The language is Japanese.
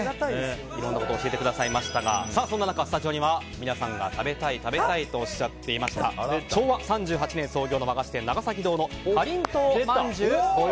いろいろなことを教えてくださいましたがそんな中、スタジオには皆さんが食べたいとおっしゃっていました昭和３８年創業の和菓子店、長崎堂のかりんとうまんじゅう